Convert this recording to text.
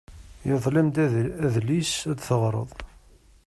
Irḍel-am-d adlis ad t-teɣreḍ.